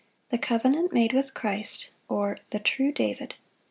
The covenant made with Christ; or, the true David.